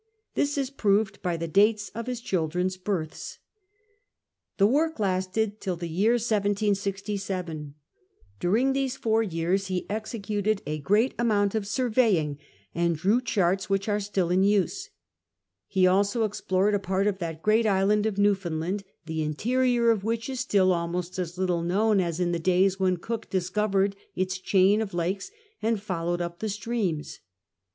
This is proved by the dates of his children's births. The work lasted till the year 1767. During these four years he executed a great amount of surveying, and drew charts which are still in use. lie also explored a part of tliat great island of NewfoiiiKllaiid, the interior of which is still rilmost as little known fis in the days Avhon Cook dis covered its chain of lakes and followed up the streams.